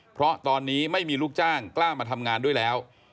เพราะตอนนี้ไม่มีลูกจ้างกล้ามาทำงานด้วยแล้ว